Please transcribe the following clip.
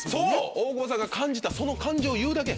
大久保さんが感じたその感じを言うだけ。